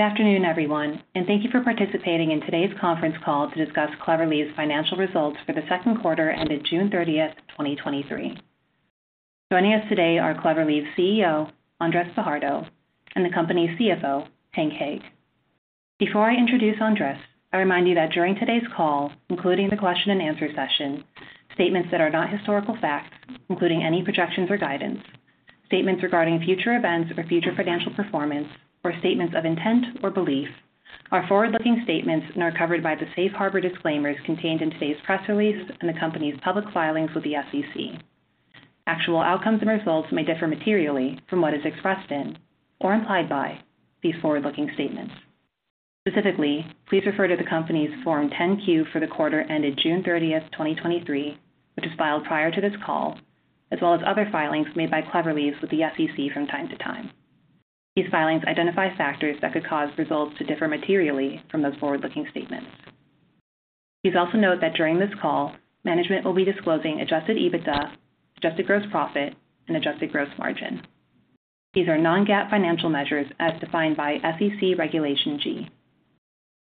Good afternoon, everyone, and thank you for participating in today's conference call to discuss Clever Leaves' financial results for the second quarter ended June 30, 2023. Joining us today are Clever Leaves' CEO, Andres Fajardo, and the company's CFO, Hank Hague. Before I introduce Andres, I remind you that during today's call, including the question and answer session, statements that are not historical facts, including any projections or guidance, statements regarding future events or future financial performance, or statements of intent or belief, are forward-looking statements and are covered by the safe harbor disclaimers contained in today's press release and the company's public filings with the SEC. Actual outcomes and results may differ materially from what is expressed in, or implied by, these forward-looking statements. Specifically, please refer to the company's Form 10-Q for the quarter ended June 30, 2023, which was filed prior to this call, as well as other filings made by Clever Leaves with the SEC from time to time. These filings identify factors that could cause results to differ materially from those forward-looking statements. Please also note that during this call, management will be disclosing adjusted EBITDA, adjusted gross profit, and adjusted gross margin. These are non-GAAP financial measures as defined by SEC Regulation G.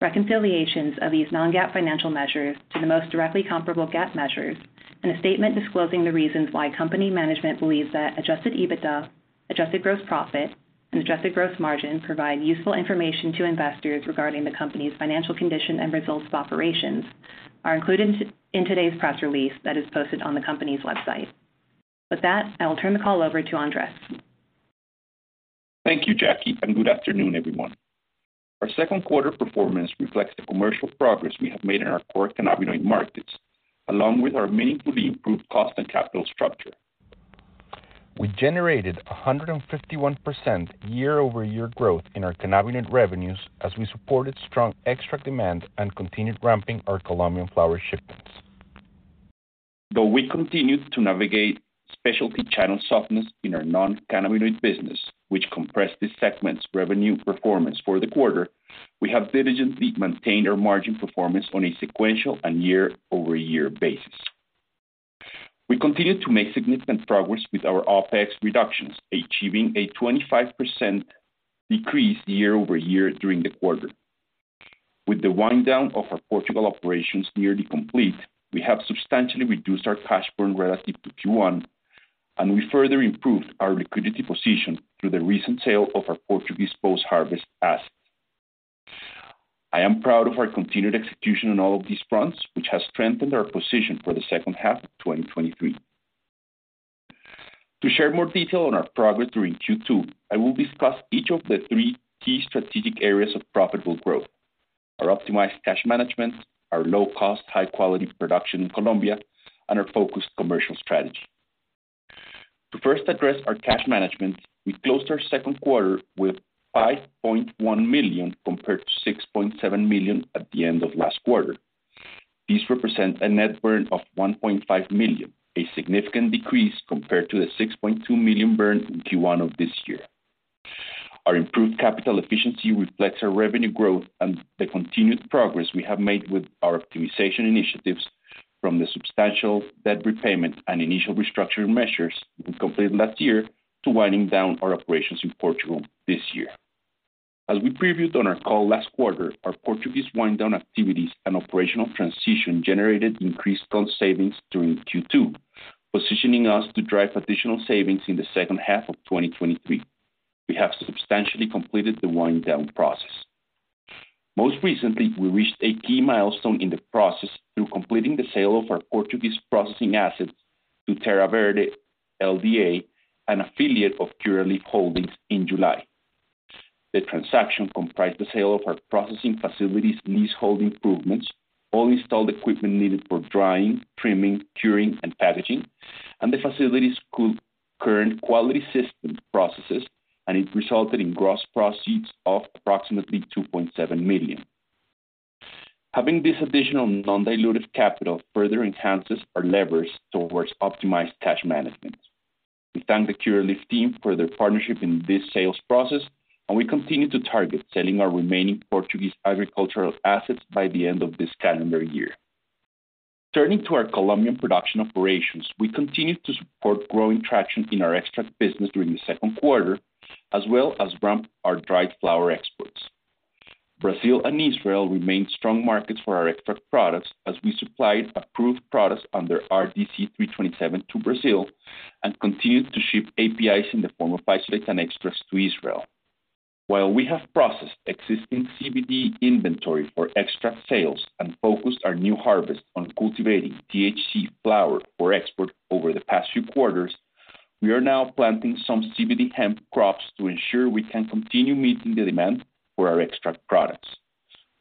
Reconciliations of these non-GAAP financial measures to the most directly comparable GAAP measures, and a statement disclosing the reasons why company management believes that adjusted EBITDA, adjusted gross profit, and adjusted gross margin provide useful information to investors regarding the company's financial condition and results of operations, are included in today's press release that is posted on the company's website. With that, I will turn the call over to Andres. Thank you, Jackie. Good afternoon, everyone. Our second quarter performance reflects the commercial progress we have made in our core cannabinoid markets, along with our meaningfully improved cost and capital structure. We generated 151% year-over-year growth in our cannabinoid revenues as we supported strong extract demand and continued ramping our Colombian flower shipments. Though we continued to navigate specialty channel softness in our non-cannabinoid business, which compressed this segment's revenue performance for the quarter, we have diligently maintained our margin performance on a sequential and year-over-year basis. We continued to make significant progress with our OpEx reductions, achieving a 25% decrease year-over-year during the quarter. With the wind down of our Portugal operations nearly complete, we have substantially reduced our cash burn relative to Q1, and we further improved our liquidity position through the recent sale of our Portuguese post-harvest assets. I am proud of our continued execution on all of these fronts, which has strengthened our position for the second half of 2023. To share more detail on our progress during Q2, I will discuss each of the three key strategic areas of profitable growth: our optimized cash management, our low-cost, high-quality production in Colombia, and our focused commercial strategy. To first address our cash management, we closed our second quarter with $5.1 million, compared to $6.7 million at the end of last quarter. These represent a net burn of $1.5 million, a significant decrease compared to the $6.2 million burn in Q1 of this year. Our improved capital efficiency reflects our revenue growth and the continued progress we have made with our optimization initiatives, from the substantial debt repayment and initial restructuring measures we completed last year to winding down our operations in Portugal this year. As we previewed on our call last quarter, our Portuguese wind down activities and operational transition generated increased cost savings during Q2, positioning us to drive additional savings in the second half of 2023. We have substantially completed the wind down process. Most recently, we reached a key milestone in the process through completing the sale of our Portuguese processing assets to Terra Verde, Lda., an affiliate of Curaleaf Holdings, in July. The transaction comprised the sale of our processing facilities' leasehold improvements, all installed equipment needed for drying, trimming, curing, and packaging, and the facility's current quality system processes, and it resulted in gross proceeds of approximately $2.7 million. Having this additional non-dilutive capital further enhances our levers towards optimized cash management. We thank the Curaleaf team for their partnership in this sales process, and we continue to target selling our remaining Portuguese agricultural assets by the end of this calendar year. Turning to our Colombian production operations, we continued to support growing traction in our extract business during the second quarter, as well as ramp our dried flower exports. Brazil and Israel remain strong markets for our extract products as we supplied approved products under RDC 327 to Brazil and continued to ship APIs in the form of isolates and extracts to Israel. While we have processed existing CBD inventory for extract sales and focused our new harvest on cultivating THC flower for export over the past few quarters, we are now planting some CBD hemp crops to ensure we can continue meeting the demand for our extract products.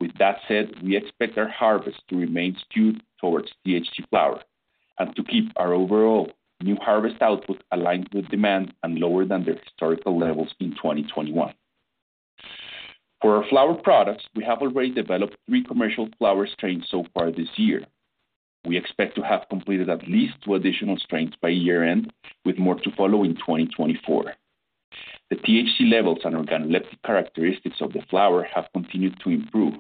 With that said, we expect our harvest to remain skewed towards THC flower and to keep our overall new harvest output aligned with demand and lower than the historical levels in 2021. For our flower products, we have already developed 3 commercial flower strains so far this year. We expect to have completed at least 2 additional strains by year-end, with more to follow in 2024. The THC levels and organoleptic characteristics of the flower have continued to improve,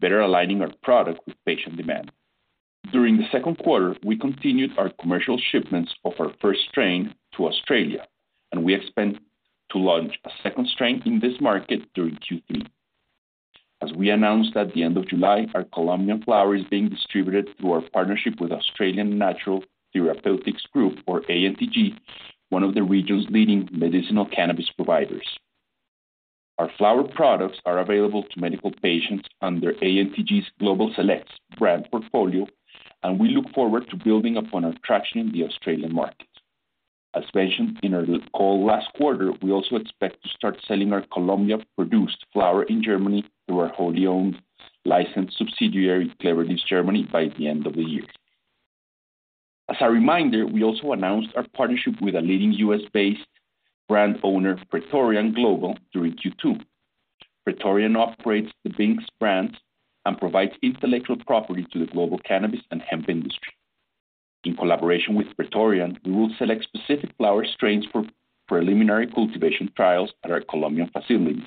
better aligning our product with patient demand. During the second quarter, we continued our commercial shipments of our first strain to Australia. We expect to launch a second strain in this market during Q3. As we announced at the end of July, our Colombian flower is being distributed through our partnership with Australian Natural Therapeutics Group, or ANTG, one of the region's leading medicinal cannabis providers. Our flower products are available to medical patients under ANTG's Global Selects brand portfolio. We look forward to building upon our traction in the Australian market. As mentioned in our call last quarter, we also expect to start selling our Colombian-produced flower in Germany through our wholly-owned licensed subsidiary, Clever Leaves Germany, by the end of the year. As a reminder, we also announced our partnership with a leading U.S.-based brand owner, Praetorian Global, during Q2. Praetorian operates the Binske brand and provides intellectual property to the global cannabis and hemp industry. In collaboration with Praetorian, we will select specific flower strains for preliminary cultivation trials at our Colombian facilities,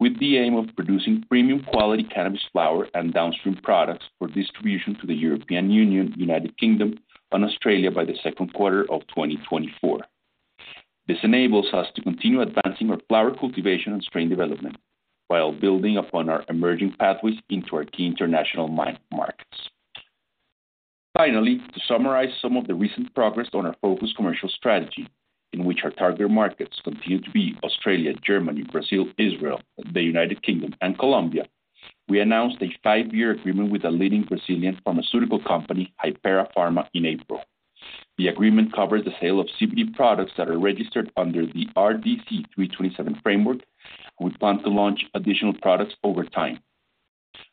with the aim of producing premium quality cannabis flower and downstream products for distribution to the European Union, United Kingdom, and Australia by the second quarter of 2024. This enables us to continue advancing our flower cultivation and strain development, while building upon our emerging pathways into our key international mind markets. Finally, to summarize some of the recent progress on our focused commercial strategy, in which our target markets continue to be Australia, Germany, Brazil, Israel, the United Kingdom, and Colombia, we announced a five-year agreement with a leading Brazilian pharmaceutical company, Hypera Pharma, in April. The agreement covers the sale of CBD products that are registered under the RDC 327 framework. We plan to launch additional products over time.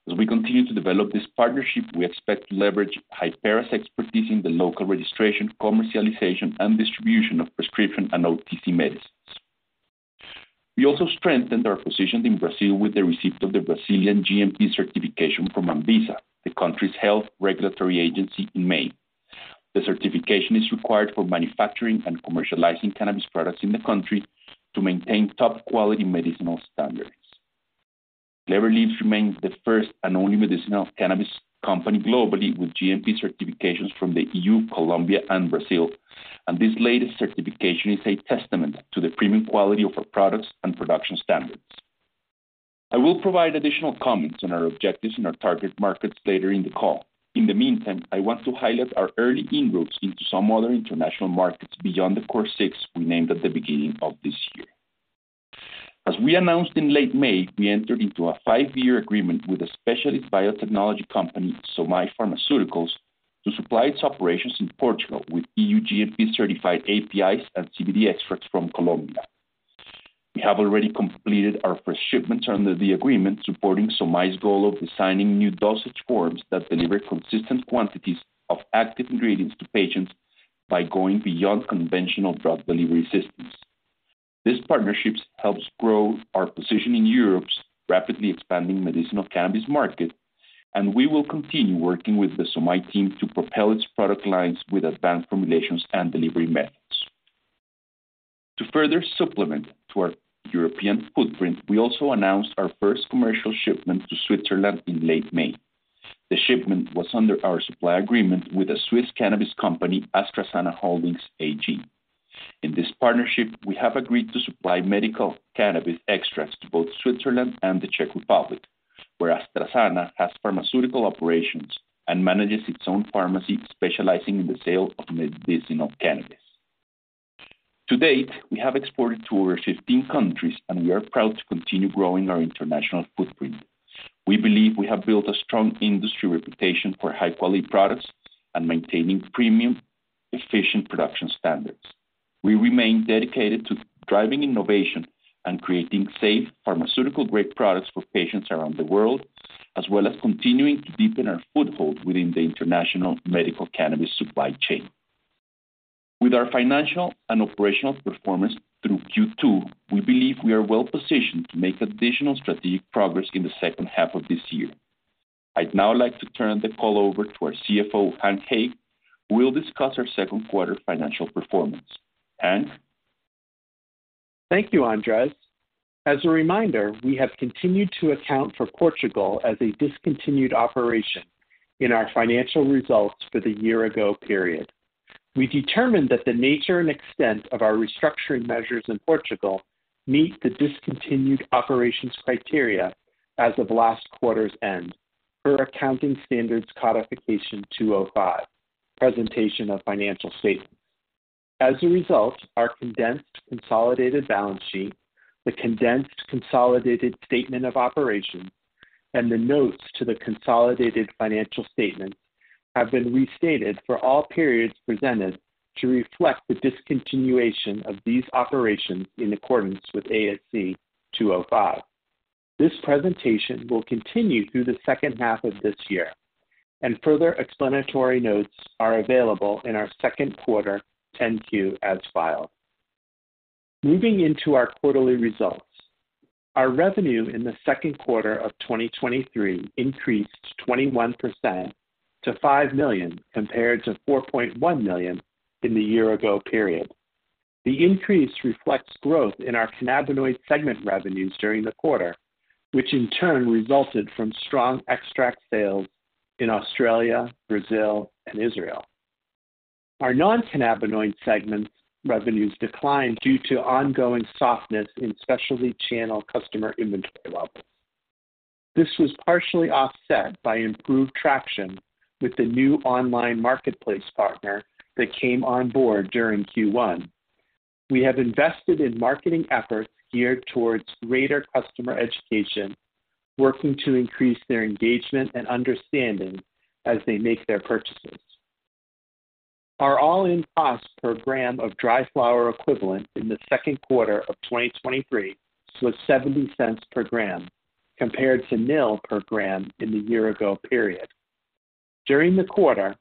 As we continue to develop this partnership, we expect to leverage Hypera's expertise in the local registration, commercialization, and distribution of prescription and OTC medicines. We also strengthened our position in Brazil with the receipt of the Brazilian GMP certification from Anvisa, the country's health regulatory agency, in May. The certification is required for manufacturing and commercializing cannabis products in the country to maintain top-quality medicinal standards. Clever Leaves remains the first and only medicinal cannabis company globally with GMP certifications from the EU, Colombia, and Brazil, and this latest certification is a testament to the premium quality of our products and production standards. I will provide additional comments on our objectives in our target markets later in the call. In the meantime, I want to highlight our early inroads into some other international markets beyond the core six we named at the beginning of this year. As we announced in late May, we entered into a 5-year agreement with a specialist biotechnology company, SOMAI Pharmaceuticals, to supply its operations in Portugal with EU GMP-certified APIs and CBD extracts from Colombia. We have already completed our first shipments under the agreement, supporting SOMAI's goal of designing new dosage forms that deliver consistent quantities of active ingredients to patients by going beyond conventional drug delivery systems. This partnerships helps grow our position in Europe's rapidly expanding medicinal cannabis market, and we will continue working with the SOMAI team to propel its product lines with advanced formulations and delivery methods. To further supplement to our European footprint, we also announced our first commercial shipment to Switzerland in late May. The shipment was under our supply agreement with a Swiss cannabis company, AstraSana Holding AG. In this partnership, we have agreed to supply medical cannabis extracts to both Switzerland and the Czech Republic, where AstraSana has pharmaceutical operations and manages its own pharmacy, specializing in the sale of medicinal cannabis. To date, we have exported to over 15 countries, and we are proud to continue growing our international footprint. We believe we have built a strong industry reputation for high-quality products and maintaining premium, efficient production standards. We remain dedicated to driving innovation and creating safe, pharmaceutical-grade products for patients around the world, as well as continuing to deepen our foothold within the international medical cannabis supply chain. With our financial and operational performance through Q2, we believe we are well positioned to make additional strategic progress in the second half of this year. I'd now like to turn the call over to our CFO, Hank Hague, who will discuss our second quarter financial performance. Hank? Thank you, Andres. As a reminder, we have continued to account for Portugal as a discontinued operation in our financial results for the year-ago period. We determined that the nature and extent of our restructuring measures in Portugal meet the discontinued operations criteria as of last quarter's end, per Accounting Standards Codification 205, Presentation of Financial Statements. As a result, our condensed consolidated balance sheet, the condensed consolidated statement of operations, and the notes to the consolidated financial statements have been restated for all periods presented to reflect the discontinuation of these operations in accordance with ASC 205. This presentation will continue through the second half of this year, and further explanatory notes are available in our second quarter 10-Q, as filed. Moving into our quarterly results. Our revenue in the second quarter of 2023 increased 21% to $5 million, compared to $4.1 million in the year-ago period. The increase reflects growth in our cannabinoid segment revenues during the quarter, which in turn resulted from strong extract sales in Australia, Brazil, and Israel. Our non-cannabinoid segment revenues declined due to ongoing softness in specialty channel customer inventory levels. This was partially offset by improved traction with the new online marketplace partner that came on board during Q1. We have invested in marketing efforts geared towards greater customer education, working to increase their engagement and understanding as they make their purchases. Our all-in cost per gram of dry flower equivalent in the second quarter of 2023 was $0.70 per gram, compared to nil per gram in the year-ago period. During the quarter,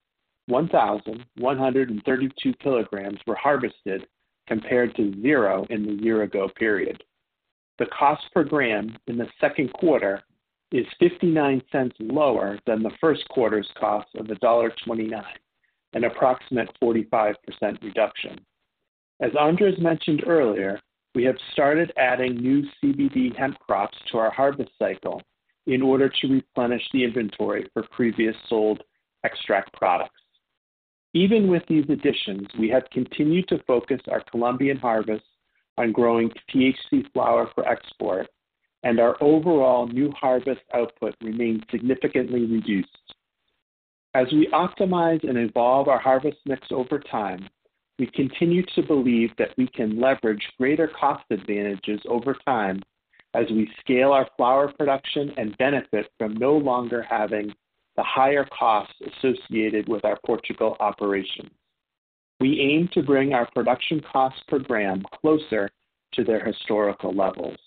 1,132 kilograms were harvested, compared to zero in the year-ago period. The cost per gram in the second quarter is $0.59 lower than the first quarter's cost of $1.29, an approximate 45% reduction. As Andres mentioned earlier, we have started adding new CBD hemp crops to our harvest cycle in order to replenish the inventory for previous sold extract products. Even with these additions, we have continued to focus our Colombian harvests on growing THC flower for export. Our overall new harvest output remains significantly reduced. As we optimize and evolve our harvest mix over time, we continue to believe that we can leverage greater cost advantages over time as we scale our flower production and benefit from no longer having the higher costs associated with our Portugal operation. We aim to bring our production costs per gram closer to their historical levels.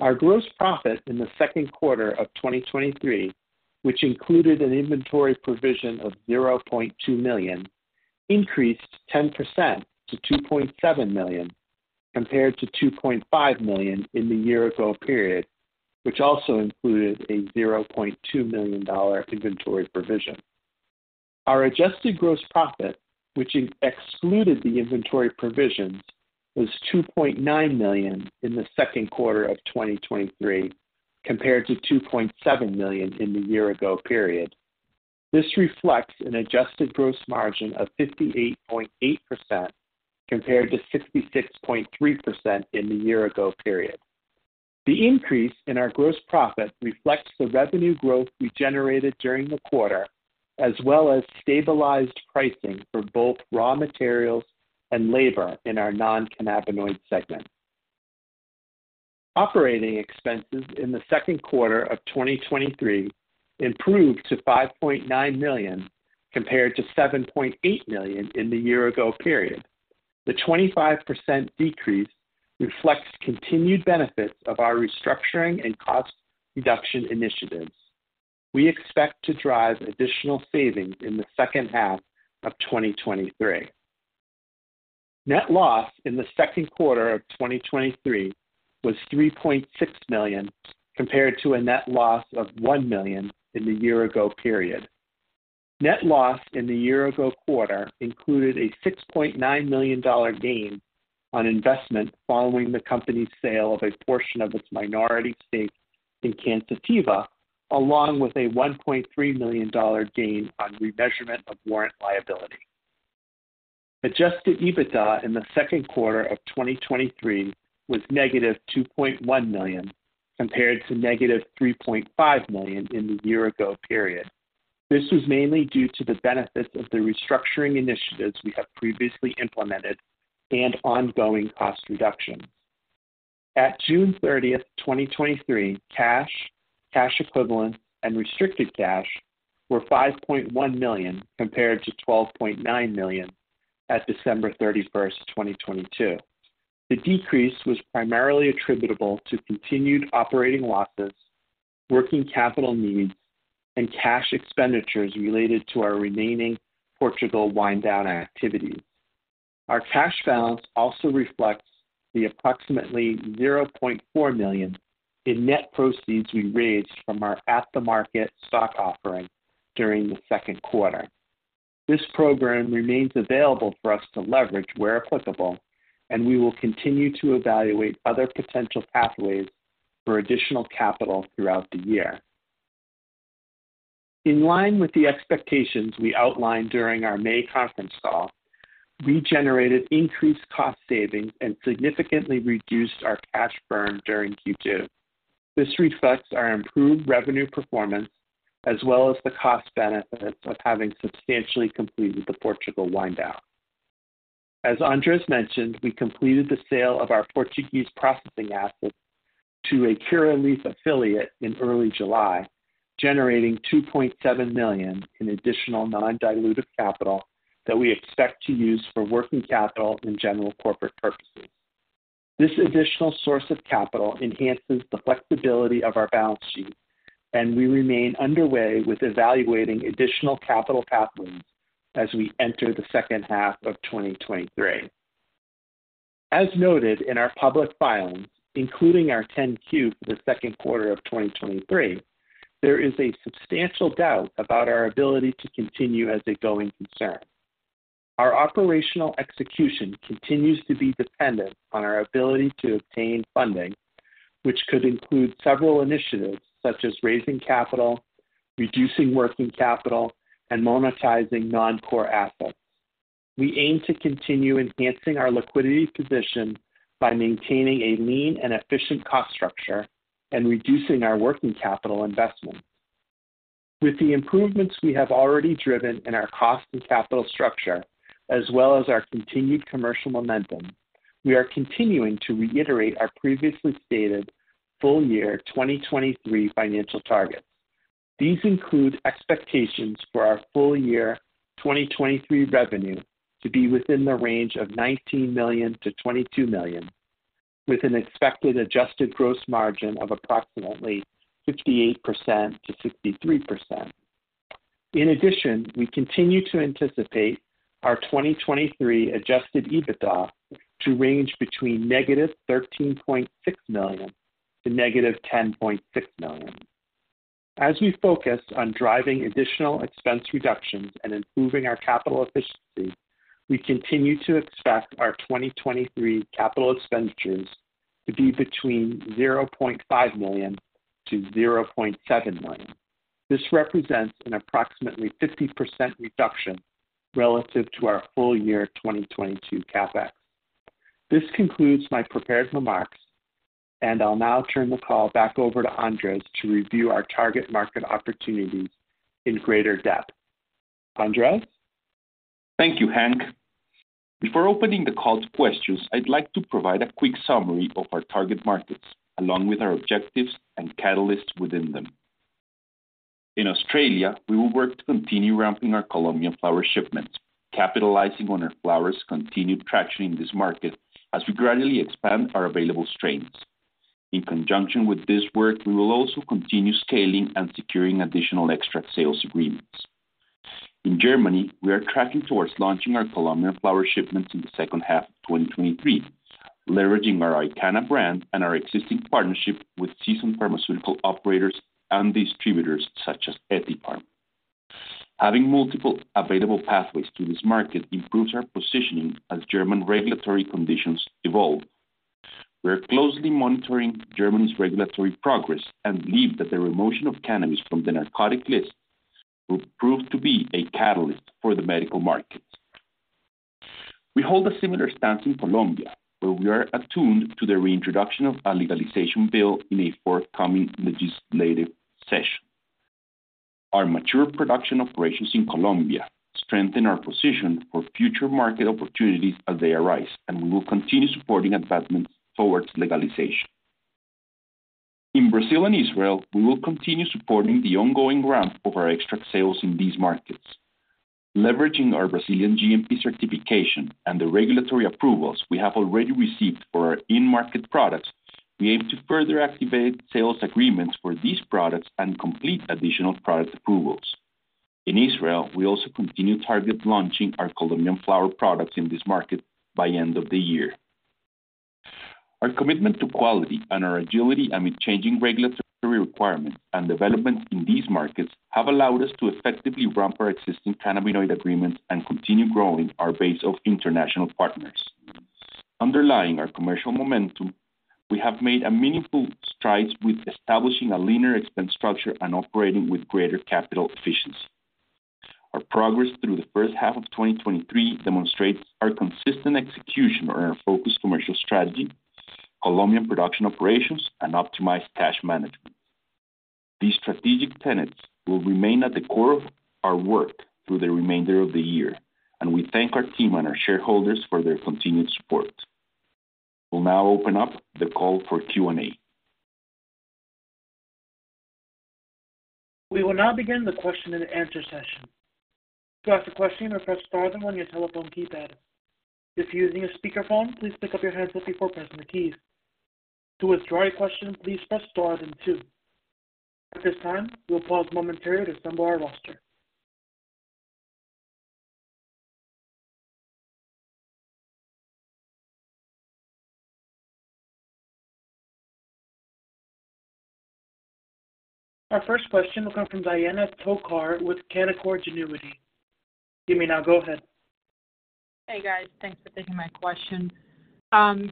Our gross profit in the second quarter of 2023, which included an inventory provision of $0.2 million, increased 10% to $2.7 million, compared to $2.5 million in the year ago period, which also included a $0.2 million inventory provision. Our adjusted gross profit, which excluded the inventory provisions, was $2.9 million in the second quarter of 2023, compared to $2.7 million in the year ago period. This reflects an adjusted gross margin of 58.8%, compared to 66.3% in the year ago period. The increase in our gross profit reflects the revenue growth we generated during the quarter, as well as stabilized pricing for both raw materials and labor in our non-cannabinoid segment. Operating expenses in the second quarter of 2023 improved to $5.9 million, compared to $7.8 million in the year ago period. The 25% decrease reflects continued benefits of our restructuring and cost reduction initiatives. We expect to drive additional savings in the second half of 2023. Net loss in the second quarter of 2023 was $3.6 million, compared to a net loss of $1 million in the year ago period. Net loss in the year ago quarter included a $6.9 million gain on investment following the company's sale of a portion of its minority stake in Cansativa, along with a $1.3 million gain on remeasurement of warrant liability. Adjusted EBITDA in the second quarter of 2023 was -$2.1 million, compared to -$3.5 million in the year ago period. This was mainly due to the benefits of the restructuring initiatives we have previously implemented and ongoing cost reductions. At June 30th, 2023, cash, cash equivalent, and restricted cash were $5.1 million, compared to $12.9 million at December 31st, 2022. The decrease was primarily attributable to continued operating losses, working capital needs, and cash expenditures related to our remaining Portugal wind down activity. Our cash balance also reflects the approximately $0.4 million in net proceeds we raised from our at-the-market stock offering during the second quarter. This program remains available for us to leverage where applicable, and we will continue to evaluate other potential pathways for additional capital throughout the year. In line with the expectations we outlined during our May conference call, we generated increased cost savings and significantly reduced our cash burn during Q2. This reflects our improved revenue performance, as well as the cost benefits of having substantially completed the Portugal wind down. As Andres mentioned, we completed the sale of our Portuguese processing assets to a Curaleaf affiliate in early July, generating $2.7 million in additional non-dilutive capital that we expect to use for working capital and general corporate purposes. This additional source of capital enhances the flexibility of our balance sheet, and we remain underway with evaluating additional capital pathways as we enter the second half of 2023. As noted in our public filings, including our 10-Q for the second quarter of 2023, there is a substantial doubt about our ability to continue as a going concern. Our operational execution continues to be dependent on our ability to obtain funding, which could include several initiatives such as raising capital, reducing working capital, and monetizing non-core assets. We aim to continue enhancing our liquidity position by maintaining a lean and efficient cost structure and reducing our working capital investment. With the improvements we have already driven in our cost and capital structure, as well as our continued commercial momentum, we are continuing to reiterate our previously stated full year 2023 financial targets. These include expectations for our full year 2023 revenue to be within the range of $19 million-$22 million, with an expected adjusted gross margin of approximately 58%-63%. In addition, we continue to anticipate our 2023 adjusted EBITDA to range between negative $13.6 million to negative $10.6 million. As we focus on driving additional expense reductions and improving our capital efficiency, we continue to expect our 2023 capital expenditures to be between $0.5 million-$0.7 million. This represents an approximately 50% reduction relative to our full year 2022 CapEx. This concludes my prepared remarks, I'll now turn the call back over to Andres to review our target market opportunities in greater depth. Andres? Thank you, Hank. Before opening the call to questions, I'd like to provide a quick summary of our target markets, along with our objectives and catalysts within them. In Australia, we will work to continue ramping our Colombian flower shipments, capitalizing on our flowers' continued traction in this market as we gradually expand our available strains. In conjunction with this work, we will also continue scaling and securing additional extract sales agreements. In Germany, we are tracking towards launching our Colombian flower shipments in the second half of 2023, leveraging our IQANNA brand and our existing partnership with seasoned pharmaceutical operators and distributors, such as Ethypharm. Having multiple available pathways to this market improves our positioning as German regulatory conditions evolve. We are closely monitoring Germany's regulatory progress and believe that the removal of cannabis from the narcotic list will prove to be a catalyst for the medical markets. We hold a similar stance in Colombia, where we are attuned to the reintroduction of a legalization bill in a forthcoming legislative session. Our mature production operations in Colombia strengthen our position for future market opportunities as they arise, and we will continue supporting advancements towards legalization. In Brazil and Israel, we will continue supporting the ongoing ramp of our extract sales in these markets. Leveraging our Brazilian GMP certification and the regulatory approvals we have already received for our in-market products, we aim to further activate sales agreements for these products and complete additional product approvals. In Israel, we also continue target launching our Colombian flower products in this market by end of the year. Our commitment to quality and our agility amid changing regulatory requirements and developments in these markets have allowed us to effectively ramp our existing cannabinoid agreements and continue growing our base of international partners. Underlying our commercial momentum, we have made a meaningful strides with establishing a leaner expense structure and operating with greater capital efficiency. Our progress through the first half of 2023 demonstrates our consistent execution on our focused commercial strategy, Colombian production operations, and optimized cash management. These strategic tenets will remain at the core of our work through the remainder of the year. We thank our team and our shareholders for their continued support. We'll now open up the call for Q&A. We will now begin the question and answer session. To ask a question, press star then on your telephone keypad. If you are using a speakerphone, please pick up your handset before pressing the keys. To withdraw your question, please press star then two. At this time, we will pause momentarily to assemble our roster. Our first question will come from Diana Tokar with Canaccord Genuity. You may now go ahead. Hey, guys. Thanks for taking my question.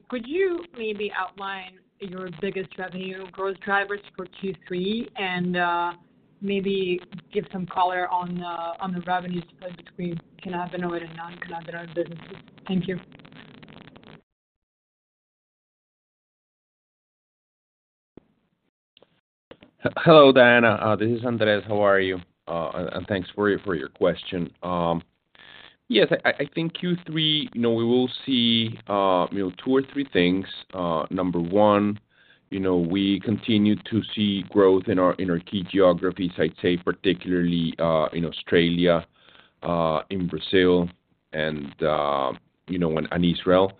Could you maybe outline your biggest revenue growth drivers for Q3 and maybe give some color on the revenue split between cannabinoid and non-cannabinoid businesses? Thank you. Hello, Diana, this is Andres. How are you? Thanks for, for your question. Yes, in Q3 we will see 2 or 3 things. Number one we continue to see growth in our, in our key geographies, I'd say particularly, in Australia, in Brazil and, you know, and, and Israel.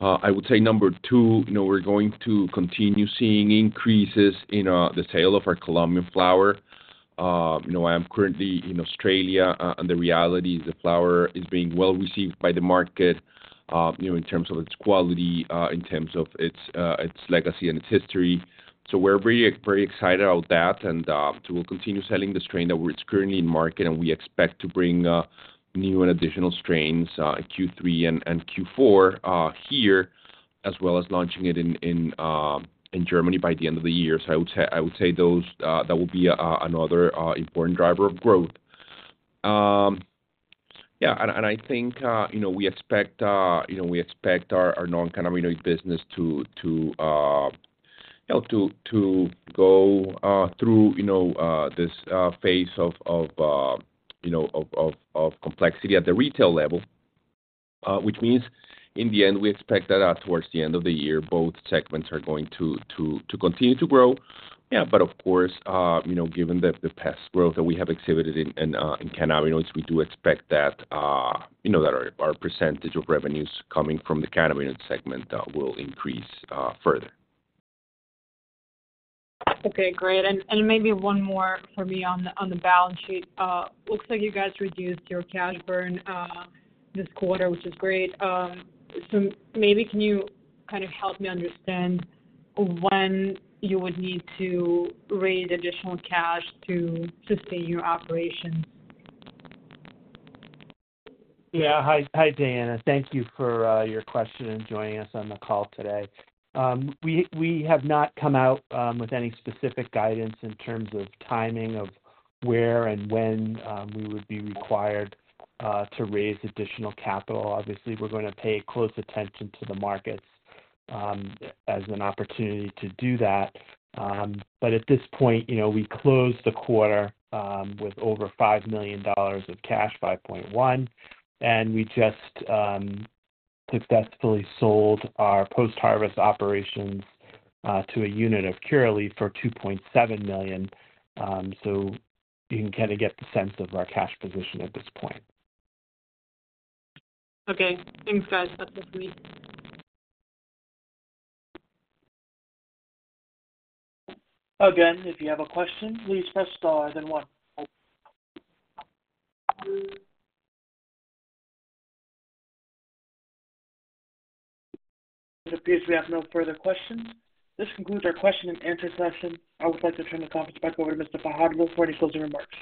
I would say number two, we're going to continue seeing increases in the sale of our Colombian flower. I am currently in Australia, and the reality is the flower is being well received by the market in terms of its quality, in terms of its legacy and its history. We're very, very excited about that, and so we'll continue selling the strain that we're currently in market, and we expect to bring new and additional strains in Q3 and Q4 here, as well as launching it in Germany by the end of the year. I would say, those that will be another important driver of growth. We expect, you know, we expect our non-cannabinoid business to go through this phase of complexity at the retail level. Which means in the end, we expect that towards the end of the year, both segments are going to continue to grow. Of course given the past growth that we have exhibited in, cannabinoids, we do expect that our % of revenues coming from the cannabinoid segment will increase further. Okay, great. Maybe one more for me on the balance sheet. Looks like you guys reduced your cash burn this quarter, which is great. Maybe can you kind of help me understand when you would need to raise additional cash to sustain your operation? Yeah. Hi, hi, Diana. Thank you for your question and joining us on the call today. We have not come out with any specific guidance in terms of timing of where and when we would be required to raise additional capital. Obviously, we're going to pay close attention to the markets as an opportunity to do that. At this point, we closed the quarter with over $5 million of cash, $5.1, and we just successfully sold our post-harvest operations to a unit of Curaleaf for $2.7 million. You can get the sense of our cash position at this point. Okay. Thanks, guys. That's it for me. Again, if you have a question, please press star then 1. It appears we have no further questions. This concludes our question and answer session. I would like to turn the conference back over to Mr. Fajardo for any closing remarks.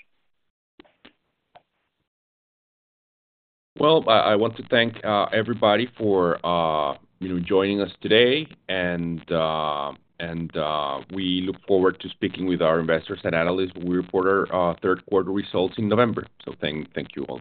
Well, I, I want to thank, everybody for joining us today, and, and, we look forward to speaking with our investors and analysts when we report our, third quarter results in November. Thank, thank you all.